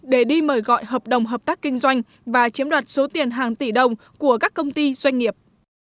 để đi mời gọi hợp đồng hợp tác kinh doanh và chiếm đoạt số tiền hàng tỷ đồng của các công ty doanh nghiệp